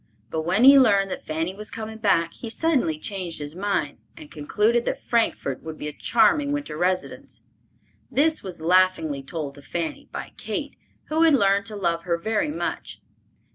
But when he learned that Fanny was coming back, he suddenly changed his mind and concluded that Frankfort would be a charming winter residence. This was laughingly told to Fanny by Kate, who had learned to love her very much.